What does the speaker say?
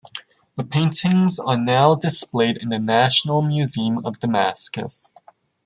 These paintings are now displayed in the National Museum of Damascus.